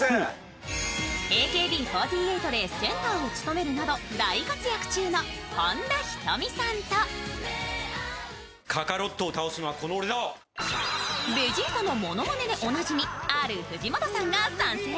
ＡＫＢ４８でセンターを務めるなど大活躍中の本田仁美さんとベジータのものまねでおなじみのＲ藤本さんが参戦。